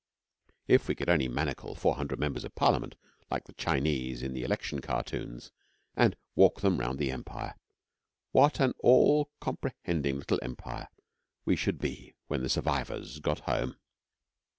If we could only manacle four hundred Members of Parliament, like the Chinese in the election cartoons, and walk them round the Empire, what an all comprehending little Empire we should be when the survivors got home!